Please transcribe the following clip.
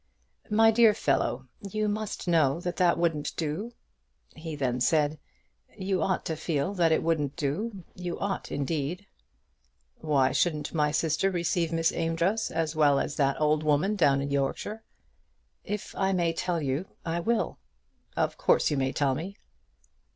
"My dear fellow, you must know that that wouldn't do." He then said, "You ought to feel that it wouldn't do; you ought indeed." "Why shouldn't my sister receive Miss Amedroz as well as that old woman down in Yorkshire?" "If I may tell you, I will." "Of course you may tell me."